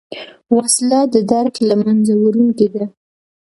وسله د درک له منځه وړونکې ده